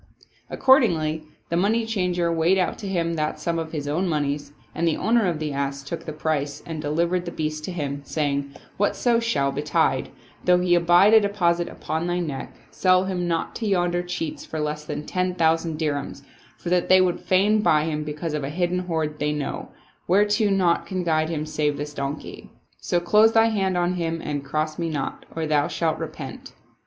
Accordingly the money changer weighed out to him that sum of his own moneys, and the owner of the ass took the price and delivered the beast to him, saying, " Whatso shall betide, though he abide a deposit upon thy neck, sell him not to yonder cheats for less than ten thousand dirhams, for that they would fain buy him because of a hidden hoard they know, whereto naught can guide them save this donkey. So close thy hand on him and cross me not, or thou shalt repent."